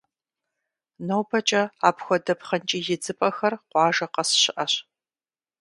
Нобэкӏэ апхуэдэ пхъэнкӏий идзыпӏэхэр къуажэ къэс щыӏэщ.